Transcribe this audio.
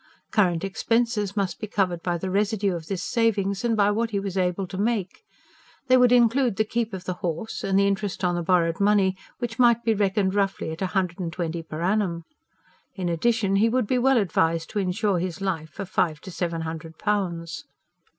Current expenses must be covered by the residue of this savings, and by what he was able to make. They would include the keep of the horse, and the interest on the borrowed money, which might be reckoned roughly at a hundred and twenty per annum. In addition, he would be well advised to insure his life for five to seven hundred pounds.